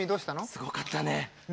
すごかったね。